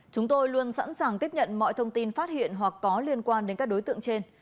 chúng tôi luôn sẵn sàng tiếp nhận mọi thông tin phát hiện hoặc có liên quan đến các đối tượng trên